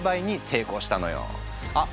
あっ！